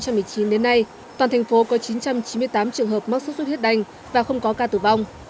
cộng dồn từ đầu năm hai nghìn một mươi chín đến nay toàn thành phố có chín trăm chín mươi tám trường hợp mắc xuất xuất huyết đanh và không có ca tử vong